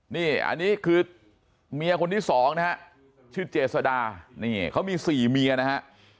นี่อันนี้คือเมียคนที่สองนะฮะชื่อเจษดานี่เขามี๔เมียนะฮะ